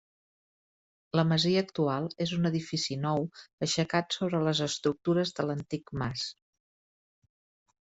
La masia actual és un edifici nou aixecat sobre les estructures de l'antic mas.